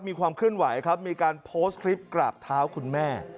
มีความเคลื่อนไหวครับมีการโพสต์คลิปกราบเท้าคุณแม่